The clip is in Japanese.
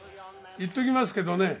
言っときますけどね